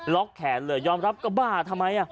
แขนเลยยอมรับก็บ้าทำไม